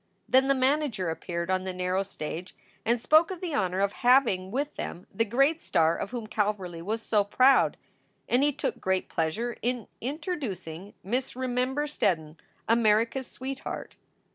Then the manager appeared on the narrow stage and spoke of the honor of having with them the great star of whom Calverly was so proud, and he took great pleasure in interdoocing Miss Remember Steddon, "America s sweet heart."